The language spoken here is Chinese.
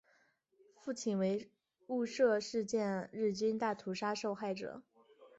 父亲为雾社事件日军大屠杀受害者。